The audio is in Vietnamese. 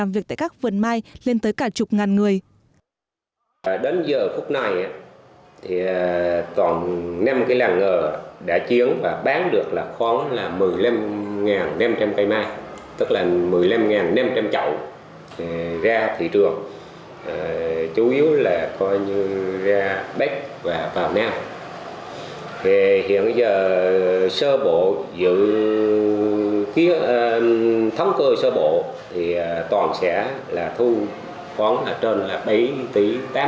việc tại các vườn mai lên tới cả chục ngàn người